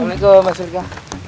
waalaikumsalam mbak solika